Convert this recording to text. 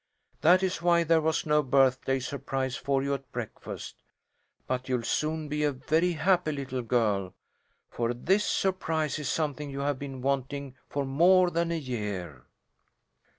That is why there was no birthday surprise for you at breakfast. But you'll soon be a very happy little girl, for this surprise is something you have been wanting for more than a year."